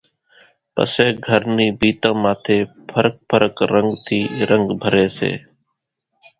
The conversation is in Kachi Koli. پسي گھر نِي ڀينتان ماٿي ڦرق ڦرق رنڳ ٿي رنڳ ڀري سي